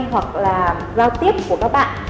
hoặc là giao tiếp của các bạn